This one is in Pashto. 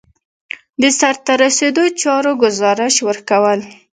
د سرته رسیدلو چارو ګزارش ورکول.